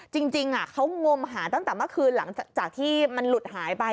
จริงเขางมหาตั้งแต่เมื่อคืนหลังจากที่มันหลุดหายไป